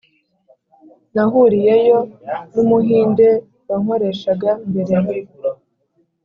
Nahuriyeyo numuhinde wankoreshaga mbere